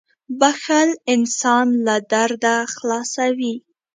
• بښل انسان له درده خلاصوي.